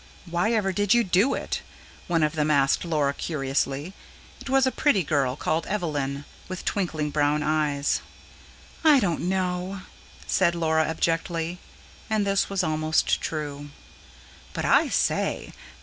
"Whyever did you do it?" one of them asked Laura curiously; it was a very pretty girl, called Evelyn, with twinkling brown eyes. "I don't know," said Laura abjectly; and this was almost true. "But I say!